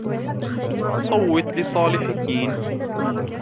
صوّتُّ لصالح كين.